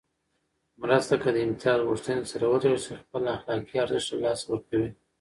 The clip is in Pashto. مرسته که د امتياز غوښتنې سره وتړل شي، خپل اخلاقي ارزښت له لاسه ورکوي.